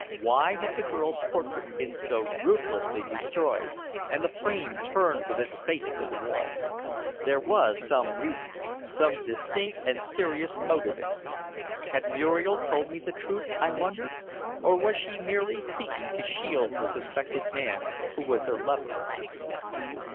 Why had the girl's portrait been so ruthlessly destroyed and the frame turned with its face to the wall? There was some reason some distinct and serious motive in it. Had Muriel told me the truth, I wondered, or was she merely seeking to shield the suspected man who was her lover?